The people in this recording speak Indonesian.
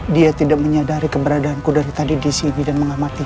dia tidak menyadari keberadaanku dari tadi di sini dan mengamati